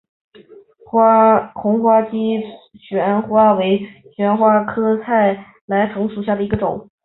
红花姬旋花为旋花科菜栾藤属下的一个种。